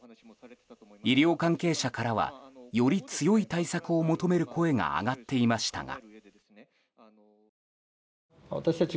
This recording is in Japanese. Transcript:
医療関係者からはより強い対策を求める声が上がっていましたが。